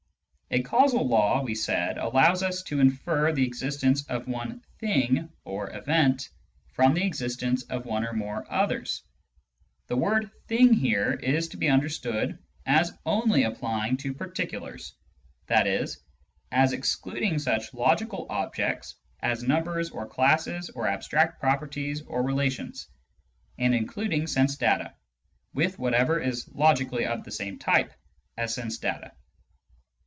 A causal law, we said, allows us to infer the existence of one thing (or event) from the existence of one or more others. The word " thing " here is to be understood as only applying to particulars, i.e. as excluding such logical objects as numbers or classes or abstract properties and relations, and including sense data, with whatever is logically of the same type as sense data.